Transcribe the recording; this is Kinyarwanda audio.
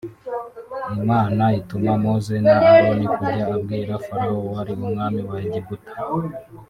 Imana ituma Mose na Aroni kujya kubwira Farawo wari umwami wa Egiputa